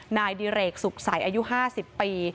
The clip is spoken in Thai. นายดิเรกสุขใสอายุ๕๐ปี